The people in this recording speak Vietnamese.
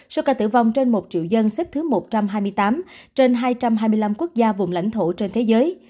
số ca tử vong trên một triệu dân xếp thứ một trăm hai mươi tám trên hai trăm hai mươi năm quốc gia vùng lãnh thổ trên thế giới